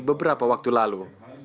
beberapa waktu lalu